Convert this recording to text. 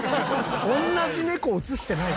同じ猫映してないかな？